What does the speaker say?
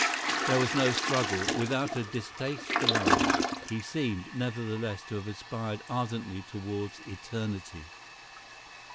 There was no struggle; without a distaste for life, he seemed, nevertheless, to have aspired ardently toward eternity."